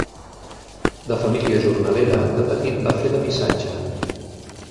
De família jornalera, de petit va fer de missatge.